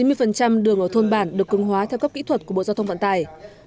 chín mươi đường ở thôn bản được cưng hóa theo cấp kỹ thuật của bộ giao thông vận tải